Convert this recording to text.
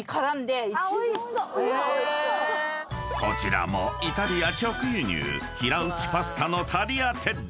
［こちらもイタリア直輸入平打ちパスタのタリアテッレ］